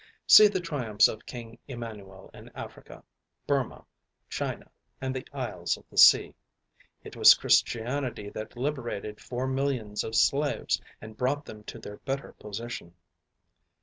See the triumphs of King Emanuel in Africa, Burmah, China, and the isles of the sea. It was Christianity that liberated four millions of slaves, and brought them to their better position.